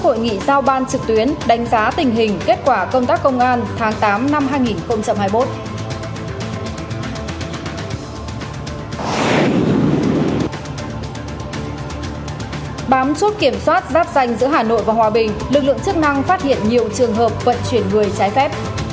hãy đăng ký kênh để ủng hộ kênh của chúng mình nhé